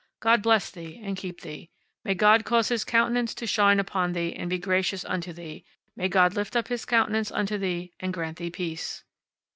God bless thee and keep thee. May God cause His countenance to shine upon thee and be gracious unto thee. May God lift up His countenance unto thee, and grant thee peace."